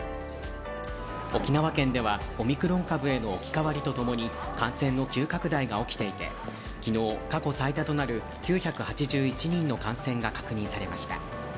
沖縄県ではオミクロン株への置き換わりとともに感染の急拡大が起きていて昨日、過去最多となる９８１人の感染が確認されました。